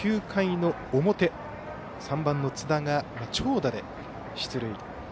９回の表３番、津田が長打で出塁。